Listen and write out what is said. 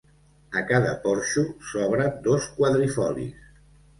A cada porxo s'obren dos quadrifolis.